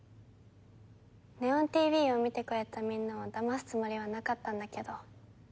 「祢音ＴＶ」を見てくれたみんなをだますつもりはなかったんだけど。